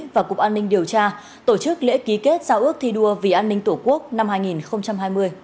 và cục an ninh điều tra tổ chức lễ ký kết giao ước thi đua vì an ninh tổ quốc năm hai nghìn hai mươi